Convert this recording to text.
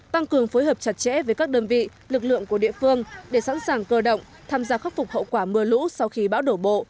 tăng cường phối hợp chặt chẽ với các đơn vị lực lượng của địa phương để sẵn sàng cơ động tham gia khắc phục hậu quả mưa lũ sau khi bão đổ bộ